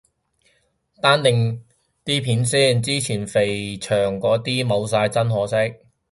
單定啲片先，之前肥祥嗰啲冇晒，真可惜。